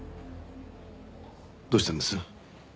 どうしたんです？